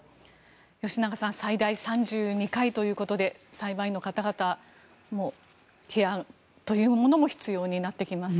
吉永さん最大３２回ということで裁判員の方々のケアというものも必要になってきます。